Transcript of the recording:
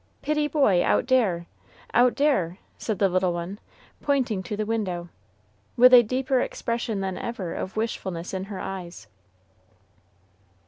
"Pitty boy out dere out dere!" said the little one, pointing to the window, with a deeper expression than ever of wishfulness in her eyes.